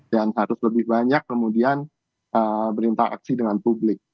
dan harus lebih banyak kemudian berintang aksi dengan publik